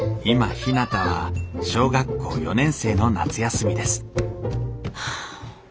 今ひなたは小学校４年生の夏休みですはあ